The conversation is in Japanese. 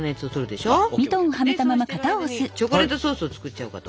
でそうしてる間にチョコレートソースを作っちゃおうかと。